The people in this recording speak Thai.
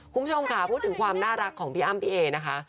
คุณผู้ชมค่ะพูดถึงความน่ารักของพี่อ้ำพี่เอนะคะ